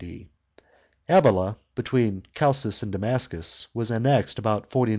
Abila, (between Chalcis and Damascus) was annexed about 49 A.